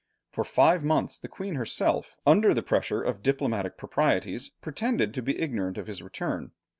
For five months the Queen herself, under the pressure of diplomatic proprieties, pretended to be ignorant of his return.